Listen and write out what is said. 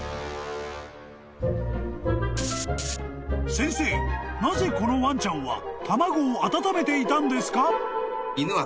［先生なぜこのワンちゃんは卵を温めていたんですか？］